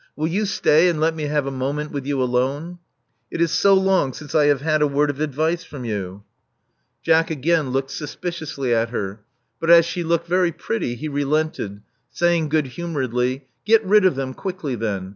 Will you stay and let me have a moment with you alone? It is so long since I *^have had a word of advice from you. Love Among the Artists 423 Jack again looked suspiciously at her; but as she looked very pretty, he relented, saying good humoredly , Get rid of them quickly, then.